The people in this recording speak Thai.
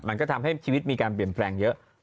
มันก็ทำให้ชีวิตมีการแบ่งแพร่งเยอะ